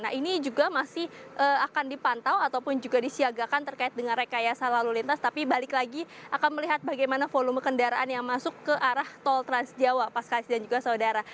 nah ini juga masih akan dipantau ataupun juga disiagakan terkait dengan rekayasa lalu lintas tapi balik lagi akan melihat bagaimana volume kendaraan yang masuk ke arah tol transjawa paskasi dan juga saudara